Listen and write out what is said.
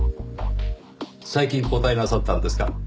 最近交代なさったんですか？